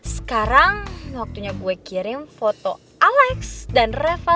sekarang waktunya gue kirim foto alex dan reva